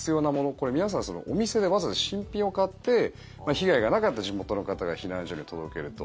これ、皆さんお店でわざわざ新品を買って被害がなかった地元の方が避難所に届けると。